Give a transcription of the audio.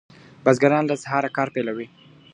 بزګران له سهاره کار پیلوي.